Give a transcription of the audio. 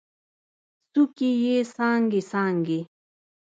څوکې یې څانګې، څانګې